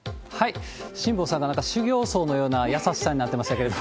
辛坊さんがなんか修行僧のような優しさになってましたけれど